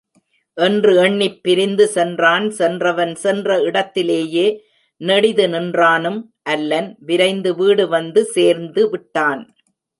என்று எண்ணிப் பிரிந்து சென்றான் சென்றவன் சென்ற இடத்திலேயே நெடிது நின்றானும் அல்லன், விரைந்து வீடுவந்து சேர்ந்து விட்டான்.